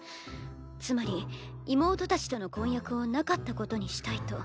つまり妹たちとの婚約をなかったことにしたいと。